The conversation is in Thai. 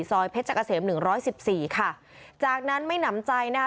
เพชรกะเสมหนึ่งร้อยสิบสี่ค่ะจากนั้นไม่หนำใจนะคะ